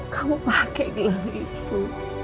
kamu pakai gelam itu